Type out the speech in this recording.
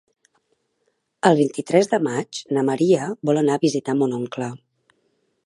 El vint-i-tres de maig na Maria vol anar a visitar mon oncle.